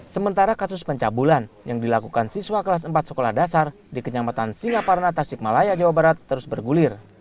sementara kasus pencabulan yang dilakukan siswa kelas empat sekolah dasar di kenyambatan singaparan atasikmalaya jawa barat terus bergulir